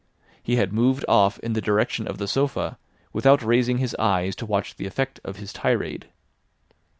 He had moved off in the direction of the sofa, without raising his eyes to watch the effect of his tirade.